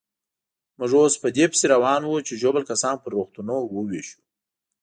موږ اوس په دې پسې روان وو چې ژوبل کسان پر روغتونو وېشو.